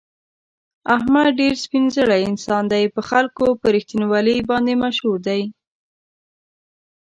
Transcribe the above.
احمد ډېر سپین زړی انسان دی، په خلکو کې په رښتینولي باندې مشهور دی.